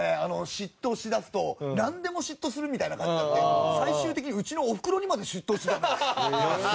嫉妬をしだすとなんでも嫉妬するみたいな感じになって最終的にうちのおふくろにまで嫉妬をしだすの。